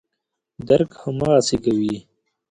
درک هماغسې کوي.